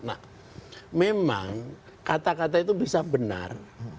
nah memang kata kata itu bisa benar